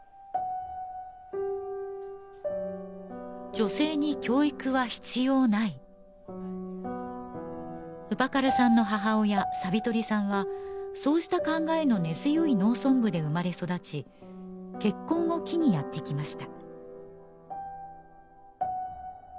女性に教育は必要ないウパカルさんの母親サビトォリィさんはそうした考えの根強い農村部で生まれ育ち結婚を機にやってきました